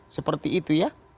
seperti itu ya